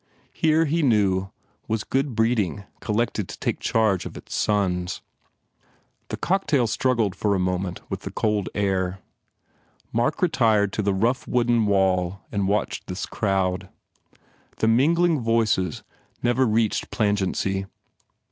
Here, he knew, was good breeding collected to take charge of its sons. The cocktail struggled for a moment with cold air. Mark retired to the rough wooden wall and watched this crowd. The mingling voices never reached plangency.